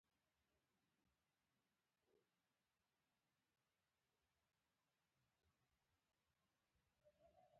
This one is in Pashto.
کمزوري خلک باید له زورورو سره ټکر ونه کړي.